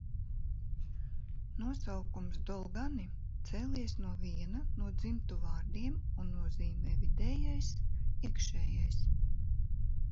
"Nosaukums "dolgani" cēlies no viena no dzimtu vārdiem un nozīmē "vidējais", "iekšējais"."